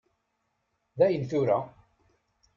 Dayen tura!